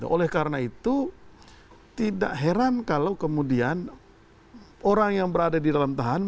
oleh karena itu tidak heran kalau kemudian orang yang berada di dalam tahan